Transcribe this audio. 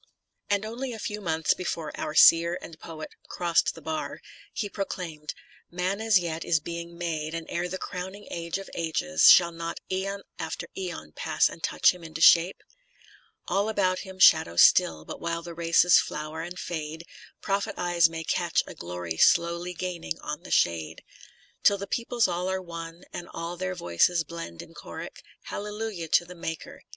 § And only a few months before our seer and poet " crossed the Bar " he proclaimed : Man as yet is being made, and ere the crowning age of ages, Shall not seon after xon pass and touch him into shape i All about him shadow still, but while the races flower and fade, Prophet eyes may catch a glory slowly gaining on the shade, Till the peoples all are one, and all their voices blend in choric Hallelujah to the Maker.